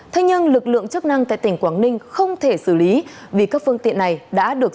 thế nhưng lực lượng chức năng tại tỉnh quảng ninh không thể xử lý vì các phương tiện này đã được